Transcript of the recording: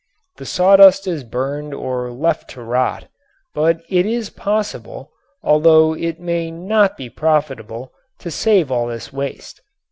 The sawdust is burned or left to rot. But it is possible, although it may not be profitable, to save all this waste.